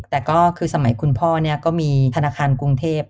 แต่ก็คือสมัยคุณพ่อก็มีธนาคารกรุงเทพ